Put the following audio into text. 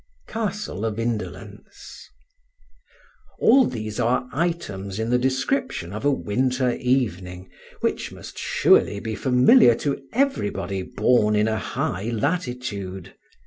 Castle of Indolence. All these are items in the description of a winter evening which must surely be familiar to everybody born in a high latitude.